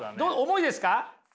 重いですか？